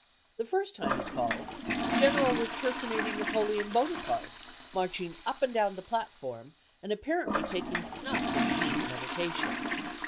The first time he called, the General was personating Napoleon Bonaparte, marching up and down the platform, and apparently taking snuff in deep meditation.